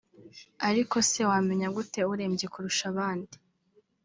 ariko se wamenya gute urembye kurusha abandi